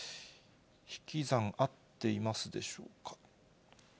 引き算合っていますでしょうか。